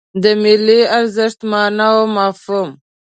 د ملي ارزښت مانا او مفهوم